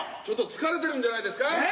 ちょっと疲れてるんじゃないですか？